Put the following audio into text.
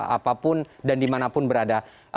apapun dan dimanapun berada